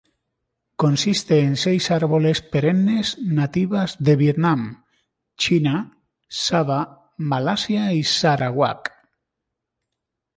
Consiste en seis árboles perennes nativas de Vietnam, China, Sabah, Malasia, y Sarawak.